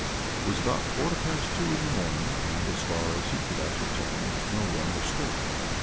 It was about a quarter past two o'clock in the morning, and, as far as he could ascertain, no one was stirring.